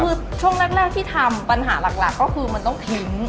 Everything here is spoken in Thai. คือช่วงแรกที่ทำปัญหาหลักก็คือมันต้องทิ้ง